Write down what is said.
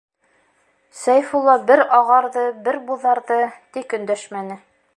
- Сәйфулла бер ағарҙы, бер буҙарҙы, тик өндәшмәне.